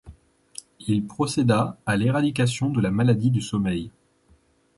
Il procéda à l'éradication de la maladie du sommeil.